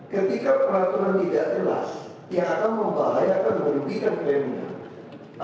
ketika peraturan tidak jelas yang akan membahayakan merugikan pemda